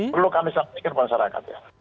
perlu kami sampaikan ke masyarakat ya